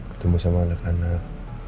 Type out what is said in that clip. ketemu sama anak anak